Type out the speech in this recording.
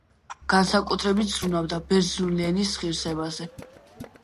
განსაკუთრებით ზრუნავდა ბერძნული ენის ღირსებაზე.